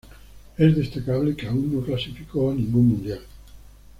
Es destacable que aún no clasificó a ningún Mundial.